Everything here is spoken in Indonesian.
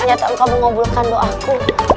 nyata engkau mengobrolkan doaku